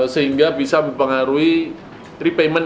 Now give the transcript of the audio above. sehingga bisa mempengaruhi repayment